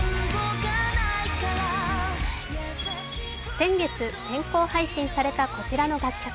先月、先行配信されたこちらの楽曲。